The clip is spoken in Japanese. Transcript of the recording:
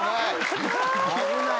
危ない。